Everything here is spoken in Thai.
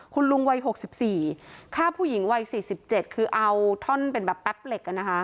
คุณลุงวัย๖๔ฆ่าผู้หญิงวัย๔๗คือเอาท่อนเป็นแบบแป๊บเหล็ก